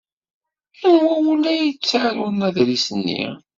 Anwa ur la yettarun aḍris-nni?